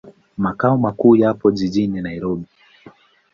Makao makuu yapo jijini Nairobi.